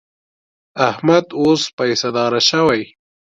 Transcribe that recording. احمد اوس پیسهدار شوی.